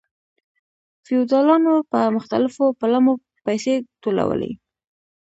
فیوډالانو په مختلفو پلمو پیسې ټولولې.